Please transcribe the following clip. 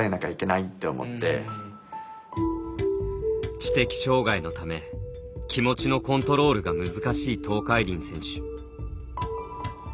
知的障がいのため気持ちのコントロールが難しい東海林選手。